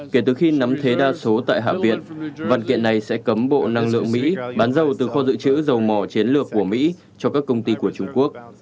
kể từ khi nắm thế đa số tại hạ viện văn kiện này sẽ cấm bộ năng lượng mỹ bán dầu từ kho dự trữ dầu mỏ chiến lược của mỹ cho các công ty của trung quốc